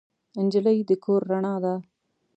نجلۍ د کور رڼا ده.